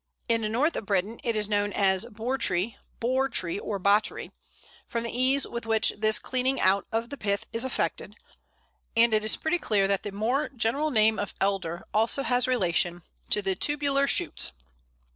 In the north of Britain it is known as Bourtree, Bore tree, or Bottery, from the ease with which this clearing out of the pith is effected, and it is pretty clear that the more general name of Elder also has relation to the tubular shoots.